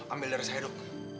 ambil darah saya dok